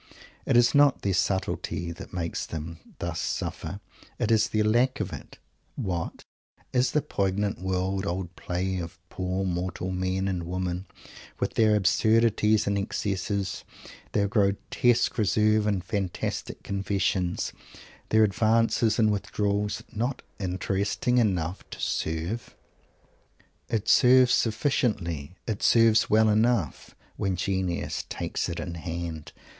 It is not their subtlety that makes them thus suffer; it is their lack of it. What? Is the poignant world old play of poor mortal men and women, with their absurdities and excesses, their grotesque reserves and fantastic confessions, their advances and withdrawals, not interesting enough to serve? It serves sufficiently; it serves well enough, when genius takes it in hand.